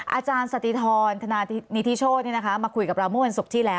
อาจารย์สติธรธนานิธิโชธมาคุยกับเราเมื่อวันศุกร์ที่แล้ว